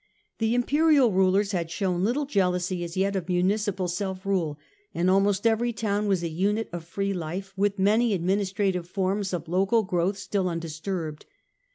The imperial rulers had shown little jealousy as yet of municipal self rule, and almost every town was a unit Local of free life, with many administrative forms of magistrates growth Still undisturbed.